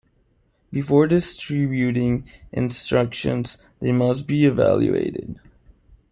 Before distributing instructions, they must be evaluated.